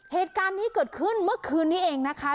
เหตุการณ์นี้เกิดขึ้นเมื่อคืนนี้เองนะคะ